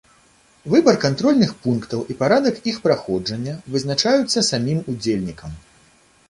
Выбар кантрольных пунктаў і парадак іх праходжання вызначаюцца самім удзельнікам.